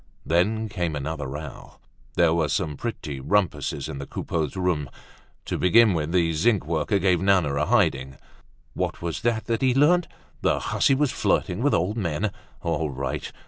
Then came another row. There were some pretty rumpuses in the Coupeaus' room. To begin with, the zinc worker gave Nana a hiding. What was that he learnt? The hussy was flirting with old men. All right.